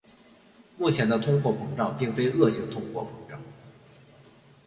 目前的通货膨胀并非恶性通货膨胀。